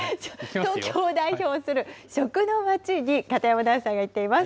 東京を代表する食のまちに片山アナウンサーが行っています。